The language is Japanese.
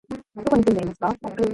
どこに住んでいますか？